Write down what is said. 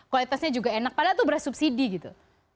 kualitasnya juga enak padahal itu beras subsidi gitu